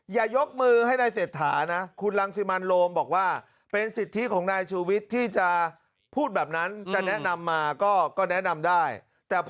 อย่ายกมือให้นายเสร็จถานะ